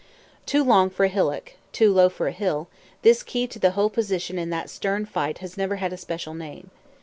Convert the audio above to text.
Too long for a hillock, too low for a hill, this key to the whole position in that stern fight has never had a special name.